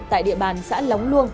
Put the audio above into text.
tại địa bàn xã lóng luông